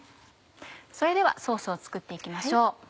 それではソースを作って行きましょう。